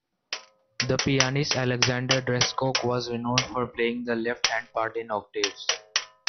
The pianist Alexander Dreyschock was renowned for playing the left hand part in octaves.